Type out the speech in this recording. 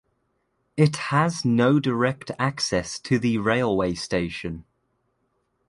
It has no direct access to the railway station.